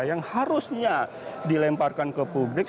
yang harusnya dilemparkan ke publik